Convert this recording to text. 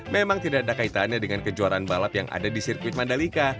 memang tidak ada kaitannya dengan kejuaraan balap yang ada di sirkuit mandalika